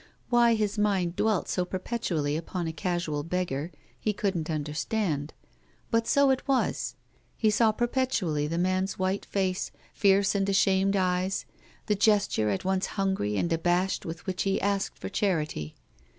Why his mind dwelt so perpetually upon a casual beggar he couldn't un derstand. But so it was. He saw perpetually the man's white face, fierce and ashamed eyes, the gesture at once hungry and abashed with which he asked for charity.